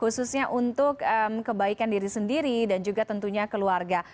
khususnya untuk kebaikan diri sendiri dan juga tentunya keluarga